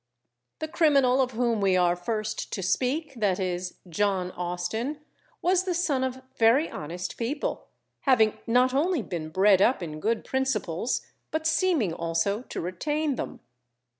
The criminal of whom we are first to speak, viz., John Austin, was the son of very honest people, having not only been bred up in good principles, but seeming also to retain them.